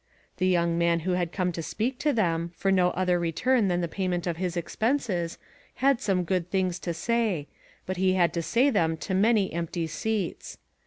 The young man who had come to speak to them, for no other return than the payment of his expenses, had some good things to say, but he had to say them to many empty seats.